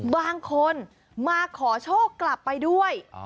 บางคนมาขอโชคกลับไปด้วย